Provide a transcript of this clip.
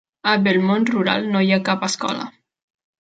A Belmont Rural no hi ha cap escola.